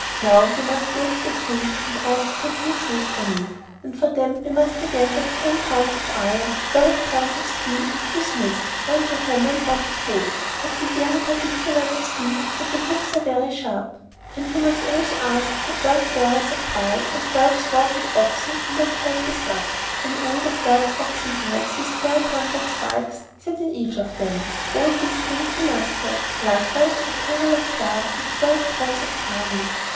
Now you must go up to the King and ask for new shoes for me, and for them we must again have ten pounds of iron, twelve pounds of steel, and two smiths, one to hammer and one to hold, but be very particular to see that the hooks are very sharp. And you must also ask for twelve barrels of rye, and twelve slaughtered oxen must we have with us, and all the twelve ox hides with twelve hundred spikes set in each of them; all these things must we have, likewise a barrel of tar with twelve tons of tar in it.